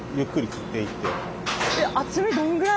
厚みどんぐらい？